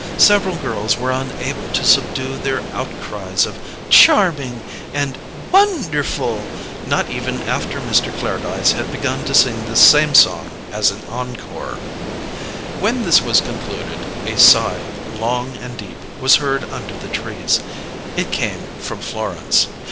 Several girls were unable to subdue their outcries of "Charming!" and "Won derf'l!" not even after Mr. Clairdyce had begun to sing the same song as an encore. When this was concluded, a sigh, long and deep, was heard under the trees. It came from Florence.